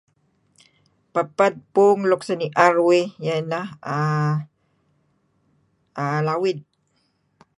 peped puung luk seni'er uih ieh ineh um um lawid